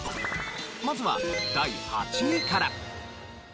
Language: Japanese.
まずは第８位から。